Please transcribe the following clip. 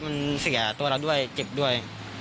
มันเสียตัวเราด้วยเจ็บด้วย